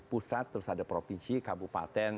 pusat terus ada provinsi kabupaten